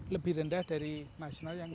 lebih rendah dari nasional yang